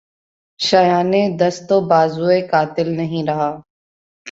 شایانِ دست و بازوےٴ قاتل نہیں رہا